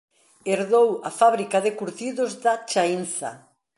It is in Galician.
Herdou a fábrica de curtidos da Chaínza.